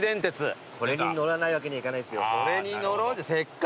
これに乗らないわけにはいかないですよ。